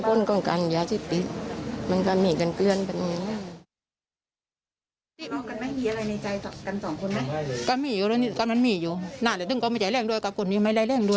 ซึ่งเราเหตุการณ์ให้งานพวกมันให้ตายกำลังว่าจะจะนี่จะแล้ว